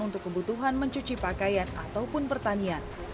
untuk kebutuhan mencuci pakaian ataupun pertanian